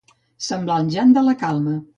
Semblar en Jan de la Calma.